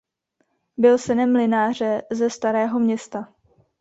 Byl synem mlynáře ze Starého Města.